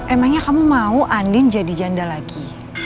emangnya kamu mau andin jadi janda lagi